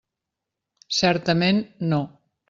Certament, no.